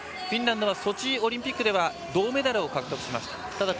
フィンランドはソチオリンピックでは銅メダルを獲得しました。